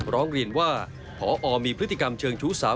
ร้องเรียนว่าพอมีพฤติกรรมเชิงชู้สาว